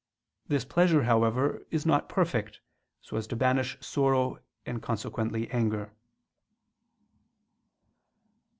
This pleasure, however, is not perfect, so as to banish sorrow and consequently anger.